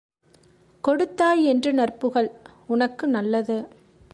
கொடுத்தாய் என்று நற்புகழ் உனக்கு நல்லது.